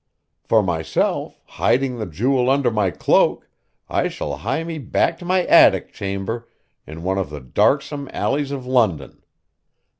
For myself, hiding the jewel under my cloak, I shall hie me back to my attic chamber, in one of the darksome alleys of London.